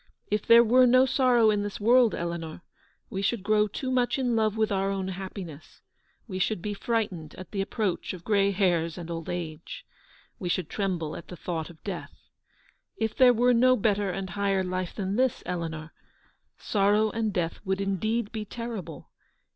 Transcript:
If there were no sorrow in this world, Eleanor, we should grow too much in love with our own happiness; we should be frightened at the approach of grey hairs and old age ; we should tremble at the thought of death. If there were no better and higher life than this, Eleanor, sorrow and death would indeed be terrible.